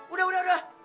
udah udah udah